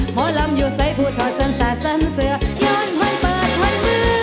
หมอลำอยู่ใส่ผู้ถอดสรรสรรเสือย้อนพันเปิดพันเดือน